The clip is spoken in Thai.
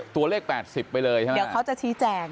ตัวเลข๘๐บาทไปเลยใช่ไหม